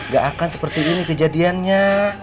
gak akan seperti ini kejadiannya